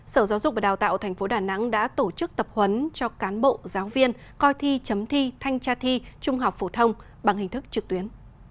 sở giáo dục và đào tạo tp đà nẵng đã tổ chức tập huấn cho cán bộ giáo viên coi thi chấm thi thanh tra thi trung học phổ thông bằng hình thức trực tuyến